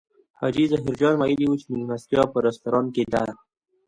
حاجي ظاهر جان ویلي و چې مېلمستیا په رستورانت کې ده.